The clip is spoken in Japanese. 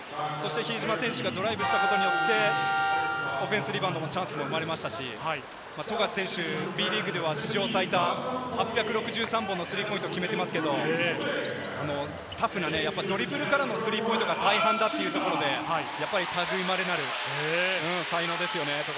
比江島選手がドライブしたことでオフェンスリバウンドのチャンスも生まれましたし、富樫選手、Ｂリーグでは出場最多８６３本のスリーポイントを決めてますけれども、タフなね、ドリブルからのスリーポイントが大半だというところで、類まれなる才能ですよね。